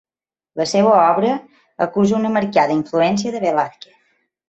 La seua obra acusa una marcada influència de Velázquez.